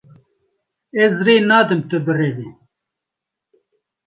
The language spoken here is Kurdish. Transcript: Ez rê nadim tu birevî.